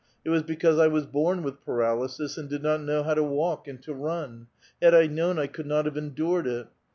It was because I was born with paralysis and did not know how to walk and to run ! Had I known, I could not have endured it."